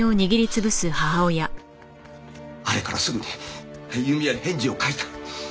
あれからすぐに由美は返事を書いた。